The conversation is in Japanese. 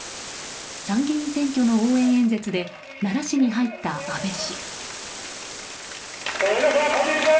参議院選挙の応援演説で奈良市に入った安倍氏。